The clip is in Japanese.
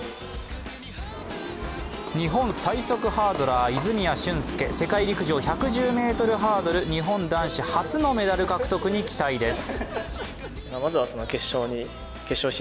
日本最速ハードラー、泉谷駿介、世界陸上１１０ｍハードル日本男子初のメダル獲得に期待です。